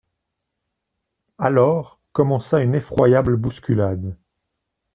Alors, commença une effroyable bousculade.